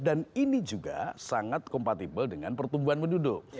dan ini juga sangat kompatibel dengan pertumbuhan menduduk